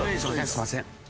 すみません。